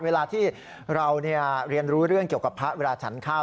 เวลาที่เราเรียนรู้เรื่องเกี่ยวกับพระเวลาฉันข้าว